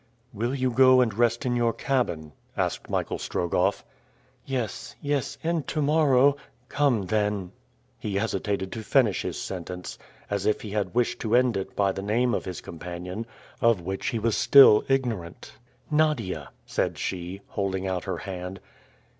"Will you go and rest in your cabin?" asked Michael Strogoff. "Yes yes; and to morrow " "Come then " He hesitated to finish his sentence, as if he had wished to end it by the name of his companion, of which he was still ignorant. "Nadia," said she, holding out her hand.